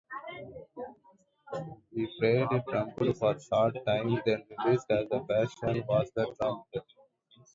He played trumpet for a short time then realized his passion was the drums.